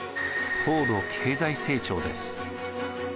高度経済成長です。